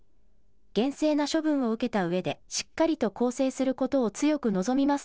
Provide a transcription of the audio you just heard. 厳正な処分を受けたうえでしっかりと更生することを強く望みます